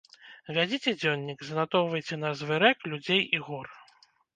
Вядзіце дзённік, занатоўвайце назвы рэк, людзей і гор.